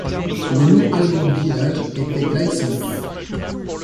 Le nom allemand du village était Gleißen.